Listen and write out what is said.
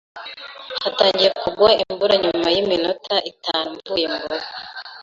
Hatangiye kugwa imvura nyuma yiminota itanu mvuye murugo.